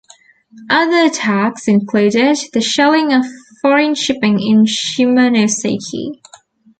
Other attacks included the shelling of foreign shipping in Shimonoseki.